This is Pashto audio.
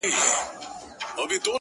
زه به څرنگه مخ اړوم يارانو-